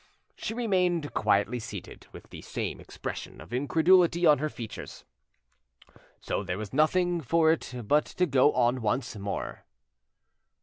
She remained quietly seated, with the same expression of incredulity on her features. So there was nothing for it but to go on once more.